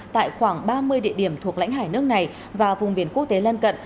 tại khoảng ba mươi địa điểm thuộc lãnh hải nước này và vùng biển quốc tế lân cận